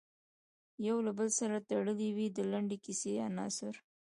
یو له بل سره تړلې وي د لنډې کیسې عناصر.